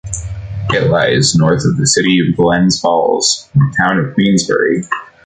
It lies north of the city of Glens Falls, in the town of Queensbury.